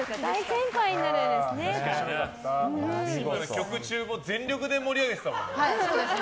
曲中も全力で盛り上げてたもんね。